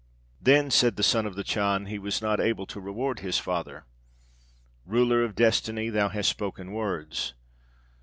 "Then," said the Son of the Chan, "he was not able to reward his father." "Ruler of Destiny, thou hast spoken words!